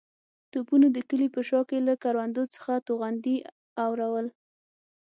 توپونو د کلي په شا کې له کروندو څخه توغندي اورول.